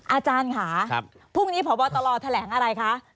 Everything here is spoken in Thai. อาจารย์ค่ะพรุ่งนี้พบตรแถลงอะไรคะ